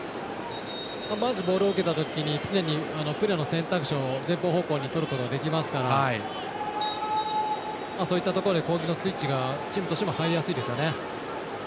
まずボールを受けたときにプレーの選択肢を前方方向にとることができますからそういったところで攻撃のスイッチがチームとしても入りやすいですよね。